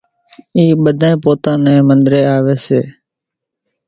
اِي ٻڌانئين پوتا نين منۮرين آوي سي